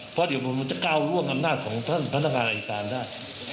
เพราะเดี๋ยวมันจะก้าวร่วงอำนาจของท่านพนักงานอายการได้